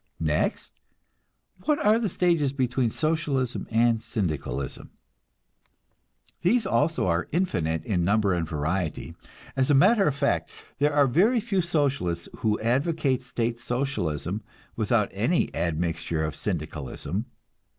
Next, what are the stages between Socialism and Syndicalism? These also are infinite in number and variety. As a matter of fact, there are very few Socialists who advocate State Socialism without any admixture of Syndicalism.